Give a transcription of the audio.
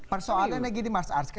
persoalannya gini mas ars